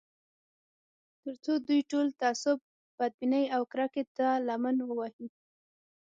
تر څو دوی ټول تعصب، بدبینۍ او کرکې ته لمن ووهي